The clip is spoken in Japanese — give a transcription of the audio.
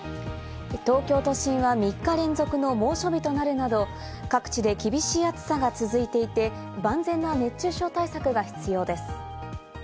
東京都心は３日連続の猛暑日となるなど各地で厳しい暑さが続いていて、万全な熱中症対策が必要です。